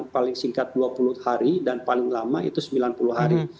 paling singkat dua puluh hari dan paling lama itu sembilan puluh hari